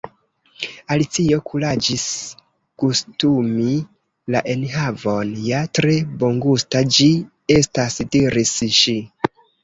Alicio kuraĝis gustumi la enhavon. "Ja, tre bongusta ĝi estas," diris ŝi.